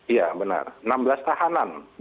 iya benar enam belas tahanan